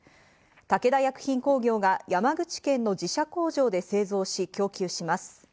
武田薬品工業が山口県の自社工場で製造し供給します。